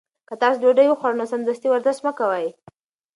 که تاسي ډوډۍ وخوړه نو سمدستي ورزش مه کوئ.